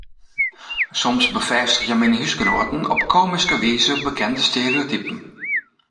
Soms befêstigje myn húsgenoaten op komyske wize bekende stereotypen.